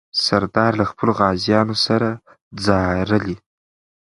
سردار له خپلو غازیانو سره ځارلې.